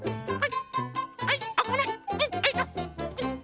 はい。